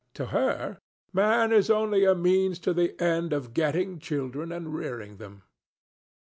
To her, Man is only a means to the end of getting children and rearing them.